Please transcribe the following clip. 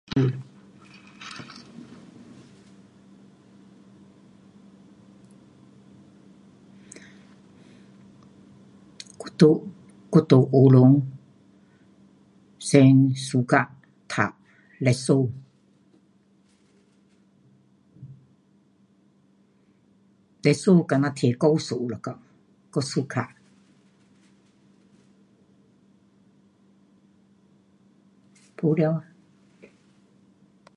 我在，我在学堂最suka 读历史。历史好像听故事一下，我suka。没了。